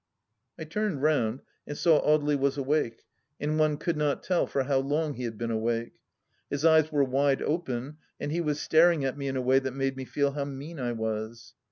I turned round and saw Audely was awake, and one could not tell for how long he had been awake. His eyes were wide open, and he was staring at me in a way that made me feel how mean I was.